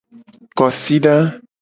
Kosida.